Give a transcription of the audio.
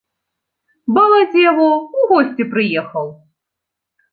Балазе во ў госці прыехаў.